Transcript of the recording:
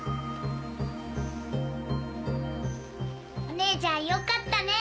お姉ちゃんよかったね。